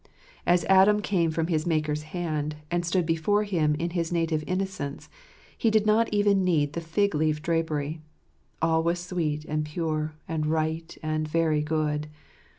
As Adam came from his Maker's hand, and stood before Him in his native innocence, he did not even need the fig leaf drapery. AH was sweet, and pure, and right, and very good.